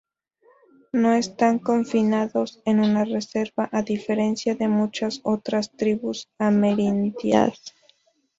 No están confinados en una reserva, a diferencia de muchas otras tribus amerindias.